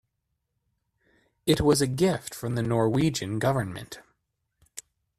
It was a gift from the Norwegian government.